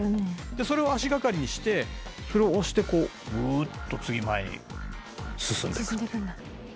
でそれを足掛かりにしてそれを押してこうウーッと次前に進んでいくっていう。